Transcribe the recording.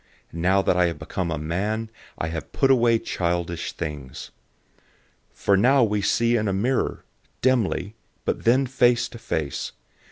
Now that I have become a man, I have put away childish things. 013:012 For now we see in a mirror, dimly, but then face to face.